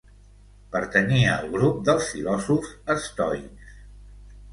Pertanyia al grup dels filòsofs estoics.